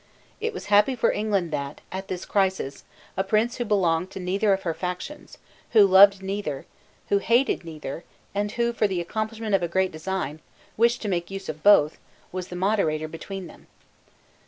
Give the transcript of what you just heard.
It was happy for England that, at this crisis, a prince who belonged to neither of her factions, who loved neither, who hated neither, and who, for the accomplishment of a great design, wished to make use of both, was the moderator between them.